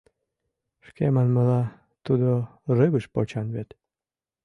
Шке манмыла, тудо рывыж почан вет.